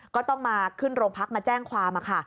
ก็ต้องมาขึ้นโรงพักมาแจ้งความค่ะ